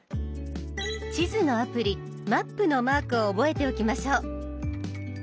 地図のアプリ「マップ」のマークを覚えておきましょう。